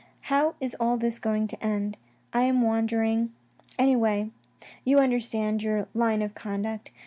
How is all this going to end ? I am wandering ... Anyway you understand your line of conduct.